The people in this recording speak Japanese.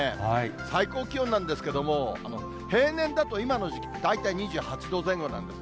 最高気温なんですけど、平年だと今の時期、大体２８度前後なんです。